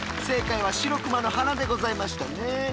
正解はシロクマの鼻でございましたね。